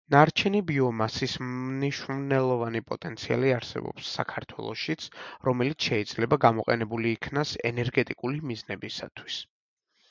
ნარჩენი ბიომასის მნიშვნელოვანი პოტენციალი არსებობს საქართველოშიც, რომელიც შეიძლება გამოყენებული იქნას ენერგეტიკული მიზნებისათვის.